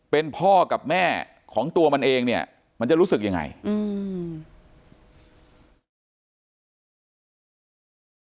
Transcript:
เป็นพ่อกับแม่ของตัวมันเองเนี่ยมันจะรู้สึกยังไงอืม